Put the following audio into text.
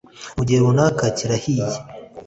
mu gihe runaka kihariye.